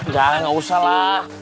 jangan usah lah